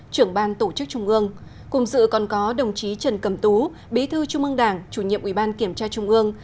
trưởng ban tổ chức trung ương cùng dự còn có đồng chí trần cầm tú bí thư trung ương đảng chủ nhiệm ủy ban kiểm tra trung ương